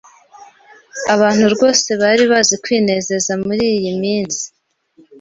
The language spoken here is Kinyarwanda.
Abantu rwose bari bazi kwinezeza muriyi minsi.